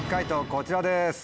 こちらです。